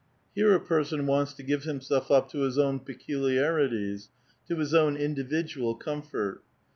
Here a l)erson wants to give himself up to his own peculiarities, to his own individual comfort.